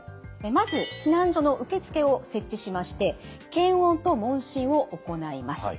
まず避難所の受付を設置しまして検温と問診を行います。